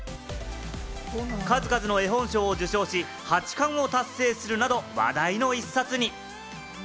数々の絵本賞を受賞し、８冠を達成するなど、話題の１冊に。